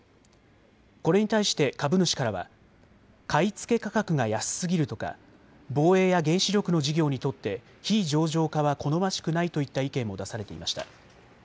これに対して株主からは買い付け価格が安すぎるとか、防衛や原子力の事業にとって非上場化は好ましくないといった意見も出されていました。